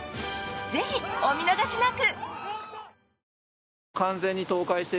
ぜひ、お見逃しなく。